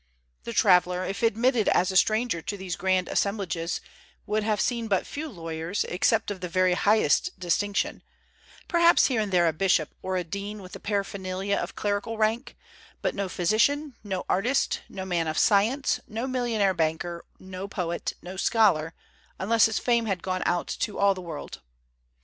The traveller, if admitted as a stranger to these grand assemblages, would have seen but few lawyers, except of the very highest distinction, perhaps here and there a bishop or a dean with the paraphernalia of clerical rank, but no physician, no artist, no man of science, no millionaire banker, no poet, no scholar, unless his fame had gone out to all the world.